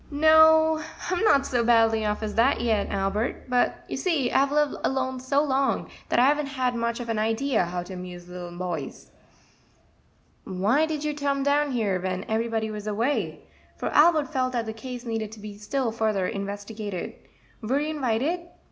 "No, I'm not so badly off as that yet, Albert; but you see I've lived alone so long; that I haven't much of an idea how to amuse little boys." "Why did you tome down here when ev'rybody was away?" for Albert felt that the case needed to be still further investigated; "were you inwited?"